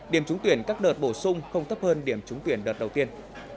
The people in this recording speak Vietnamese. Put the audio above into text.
điểm trúng tuyển các đợt bổ sung không thấp hơn điểm trúng tuyển đợt đầu tiên